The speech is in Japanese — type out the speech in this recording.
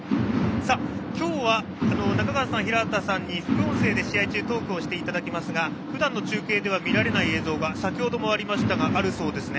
今日は中川さん、平畠さんに副音声で試合中トークをしていただきますがふだんの中継では見られない映像が先ほどもありましたがあるそうですね。